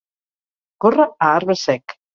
Córrer a arbre sec.